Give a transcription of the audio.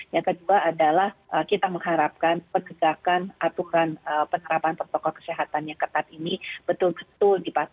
yang kedua adalah kita mengharapkan penegakan aturan penerapan protokol kesehatan yang ketat ini betul betul dipatuhi